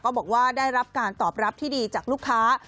บอกว่าได้รับการตอบรับที่ดีจากลูกค้า